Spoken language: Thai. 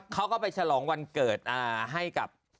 เขาก็ไปฉลองวันเกิดให้กับ